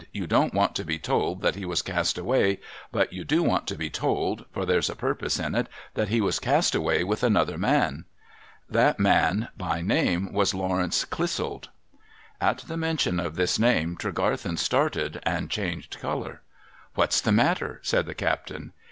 You don't want to be told that he was cast away, but you do want to be told (for there's a purpose in it) that he was cast away with another man. That man by name was Lawrence Clissold.' At the mention of this name Tregarthen started and changed colour. ' What's the matter ?' said the captain.